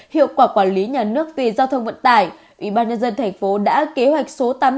hiệu quả quản lý nhà nước về giao thông vận tải ủy ban nhân dân thành phố đã kế hoạch số tám mươi năm